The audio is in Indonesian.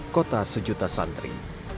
kota sejuta santri